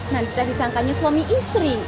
nanti tadi sangkanya suami istri